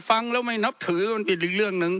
ฟังแล้วไม่นับถือมันเป็นอีกเรื่องหนึ่ง